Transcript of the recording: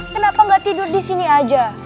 kenapa gak tidur disini aja